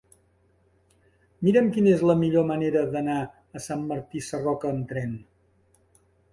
Mira'm quina és la millor manera d'anar a Sant Martí Sarroca amb tren.